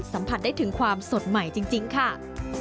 สัมผัสได้ถึงความสดใหม่จริงค่ะ